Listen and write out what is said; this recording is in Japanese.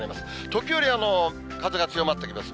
時折風が強まってきます。